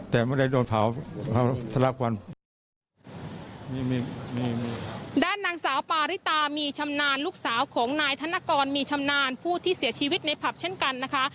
แต่ไม่ได้โดนเผาทะลักฟันมีมีด้านนางสาวปาริตามีชำนาญลูกสาวของนายธนกรมีชำนาญผู้ที่เสียชีวิตในผับเช่นกันนะคะ